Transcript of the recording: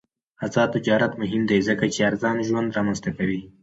آزاد تجارت مهم دی ځکه چې ارزان ژوند رامنځته کوي.